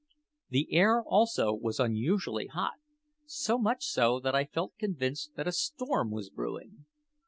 The air, also, was unusually hot so much so that I felt convinced that a storm was brewing.